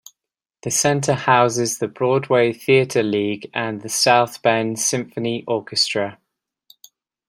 The center houses the Broadway Theater League and the South Bend Symphony Orchestra.